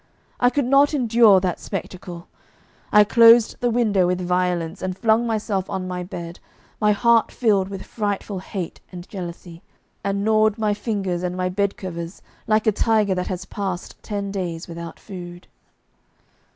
I could not endure that spectacle. I closed the window with violence, and flung myself on my bed, my heart filled with frightful hate and jealousy, and gnawed my fingers and my bedcovers like a tiger that has passed ten days without food.